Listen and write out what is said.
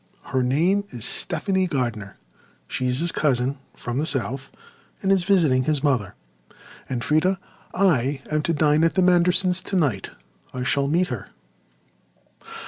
Her name is Stephanie Gardiner; she is his cousin from the south and is visiting his mother. And, Freda, I am to dine at the Mandersons' tonight. I shall meet her."